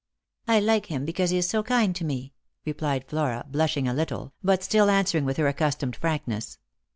" I like him because he is so kind to me," replied Flora, blush ing a little, but still answering with her accustomed frankness.